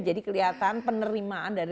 jadi kelihatan penerimaan dari